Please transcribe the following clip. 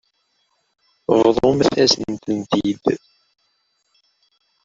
Bḍumt-asent-tent-id.